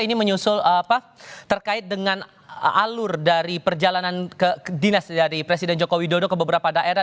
ini menyusul terkait dengan alur dari perjalanan ke dinas dari presiden joko widodo ke beberapa daerah